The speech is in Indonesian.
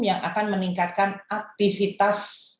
yang akan meningkatkan aktivitas